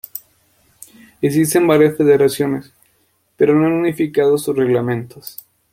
Existe varias federaciones, pero no han unificado sus reglamentos.